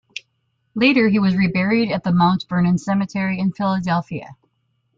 Later, he was reburied at the Mount Vernon Cemetery in Philadelphia.